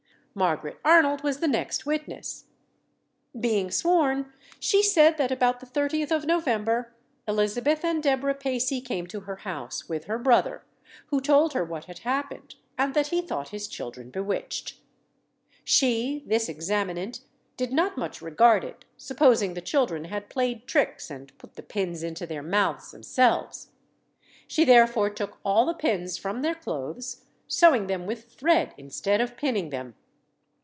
"Margaret Arnold was the next witness. Being sworn, she said, that about the 30th of November, Elizabeth and Deborah Pacey came to her house, with her brother, who told her what had happened, and that he thought his children bewitched. She, this examinant, did not much regard it, supposing the children had played tricks, and put the pins into their mouths themselves. She therefore took all the pins from their clothes, sewing them with thread instead of pinning them.